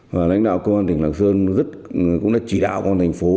và lãnh đạo công an tỉnh lạc sơn cũng đã chỉ đạo công an thành phố